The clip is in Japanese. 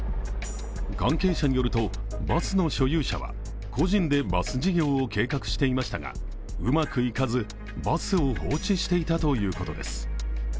関係者によると、バスの所有者は個人でバス事業を計画していましたがうまくいかず、バスを放置していたということです。